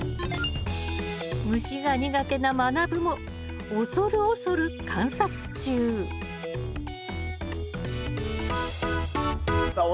虫が苦手なまなぶも恐る恐る観察中さあ